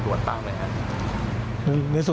อันนี้ขอยังไม่เปิดเผยนะครับครับ